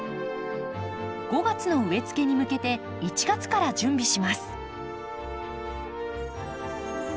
５月の植えつけに向けて１月から準備します。